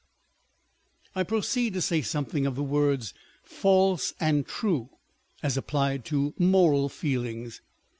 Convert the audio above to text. I proceed to say something of the words false and true, as applied to moral feelings.